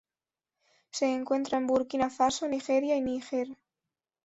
Se encuentra en Burkina Faso, Nigeria y Níger.